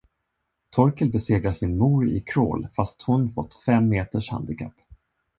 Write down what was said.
Torkel besegrar sin mor i crawl, fast hon fått fem meters handikapp.